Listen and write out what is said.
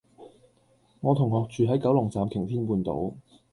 我同學住喺九龍站擎天半島